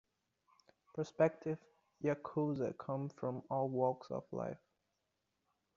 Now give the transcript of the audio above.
Prospective yakuza come from all walks of life.